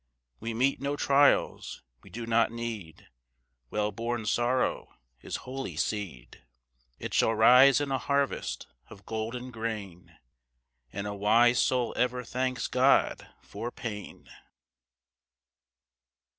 We meet no trials we do not need; Well borne sorrow is holy seed; It shall rise in a harvest of golden grain, And a wise soul ever thanks God for pain.